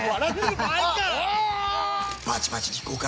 「バチバチにいこうか」